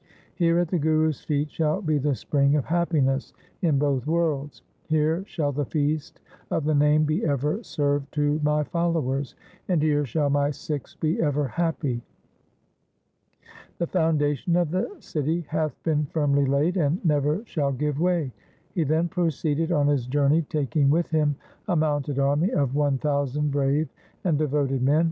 Here at the Guru's feet shall be the spring of happiness in both worlds ; here shall the feast of the Name be ever served to my followers ; and here shall my Sikhs be ever happy. The foundation of the city hath been firmly laid, and never shall give way.' He then proceeded on his journey, taking with him a mounted army of one thousand brave and devoted men.